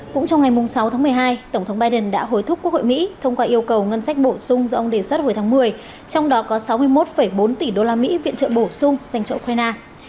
cũng trong ngày sáu tháng một mươi hai tổng thống biden đã hối thúc quốc hội mỹ thông qua yêu cầu ngân sách bổ sung do ông đề xuất hồi tháng một mươi trong đó có sáu mươi một bốn tỷ đô la mỹ viện trợ bổ sung dành cho ukraine